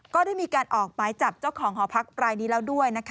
ก็ได้มีการออกหมายจับเจ้าของหอพักรายนี้แล้วด้วยนะคะ